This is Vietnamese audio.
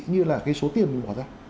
như là cái số tiền mình bỏ ra